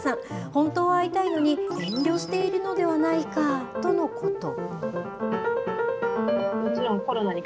本当は会いたいのに、遠慮しているのではないか？とのこと。